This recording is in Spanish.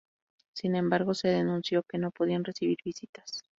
Sin embargo, se denunció que no podían recibir visitas.